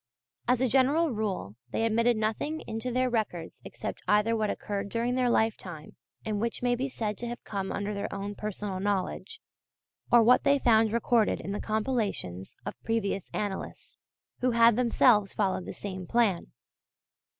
As a general rule they admitted nothing into their records except either what occurred during their lifetime, and which may be said to have come under their own personal knowledge, or what they found recorded in the compilations of previous annalists, who had themselves followed the same plan.